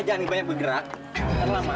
eh jangan lebih banyak bergerak terlalu lama